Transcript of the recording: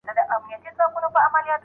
صالحه ميرمن په مینه او شفقت چلند کوي.